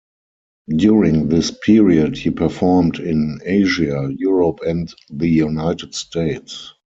During this period he performed in Asia, Europe and the United States.